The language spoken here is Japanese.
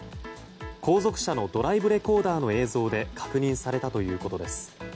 後続車のドライブレコーダーの映像で確認されたということです。